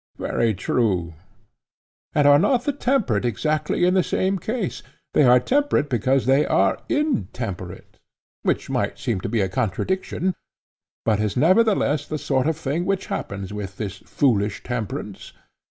Very true. And are not the temperate exactly in the same case? They are temperate because they are intemperate—which might seem to be a contradiction, but is nevertheless the sort of thing which happens with this foolish temperance.